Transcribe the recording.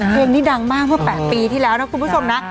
เพลงนี้ดังมากเมื่อ๘ปีที่แล้วนะคุณผู้ชมนะ